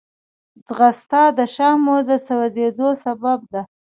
ځغاسته د شحمو د سوځېدو سبب ده